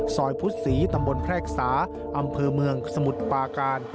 พุษีตำบลแพรกษาอำเภอเมืองสมุทรปาการ